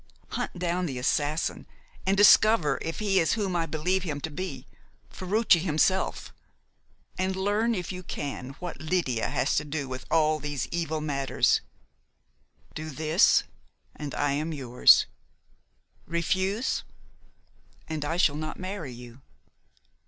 Hunt down the assassin, and discover if he is whom I believe him to be Ferruci himself; and learn, if you can, what Lydia has to do with all these evil matters. Do this, and I am yours. Refuse, and I shall not marry you!"